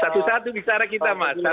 satu satu bicara kita mas